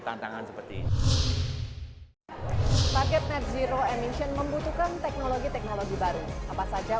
tantangan seperti ini paket net zero emission membutuhkan teknologi teknologi baru apa saja